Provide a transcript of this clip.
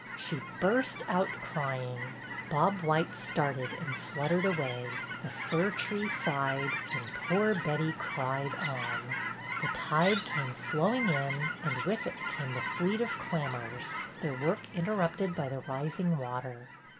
She burst out crying. Bob white started and fluttered away, the fir tree sighed, and poor Betty cried on. The tide came flowing in, and with it came the fleet of clammers, their work interrupted by the rising water.